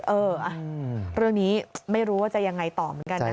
เออเรื่องนี้ไม่รู้ว่าจะยังไงต่อเหมือนกันนะคะ